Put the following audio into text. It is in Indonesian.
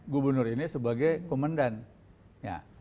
gubernur ini sebagai komandan ya